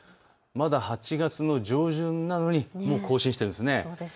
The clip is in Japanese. まだ８月の上旬なのにもう更新しているんです。